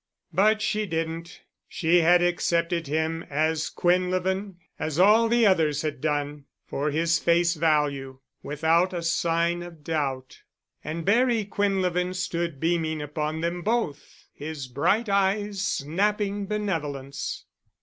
But she didn't. She had accepted him as Quinlevin, as all the others had done, for his face value, without a sign of doubt. And Barry Quinlevin stood beaming upon them both, his bright eyes snapping benevolence.